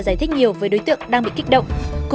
nếu không người ta không tốt thì thôi